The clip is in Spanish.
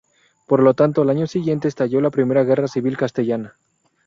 Por lo tanto, al año siguiente estalló la Primera Guerra Civil Castellana.